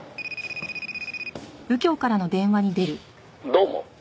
「どうも」